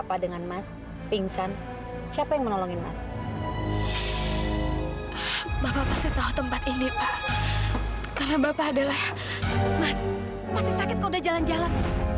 mas masih sakit kok udah jalan jalan